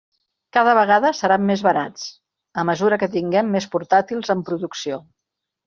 Cada vegada seran més barats, a mesura que tinguem més portàtils en producció.